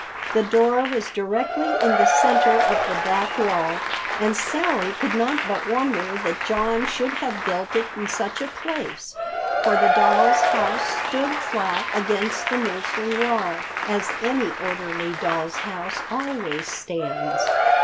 The door was directly in the center of the back wall, and Sally could not but wonder that John should have built it in such a place, for the doll's house stood flat against the nursery wall, as any orderly doll's house always stands.